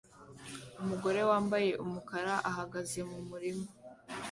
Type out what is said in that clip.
Umugore wambaye umukara ahagaze mu murima